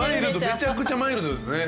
めちゃくちゃマイルドですね。